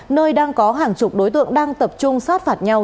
nơi đang có hàng chục đối tượng đang tập trung sát phạt nhau